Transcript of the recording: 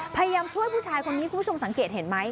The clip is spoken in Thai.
พยายามช่วยผู้ชายคนนี้คุณผู้ชมสังเกตเห็นไหม